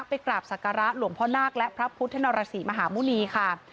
ไปกราบศักระหลวงพ่อนาคและพระพุทธนรสีมหาหมุณีค่ะ